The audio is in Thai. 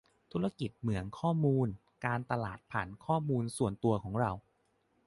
ธุรกิจเหมืองข้อมูล : การตลาดผ่านข้อมูลส่วนตัวของเรา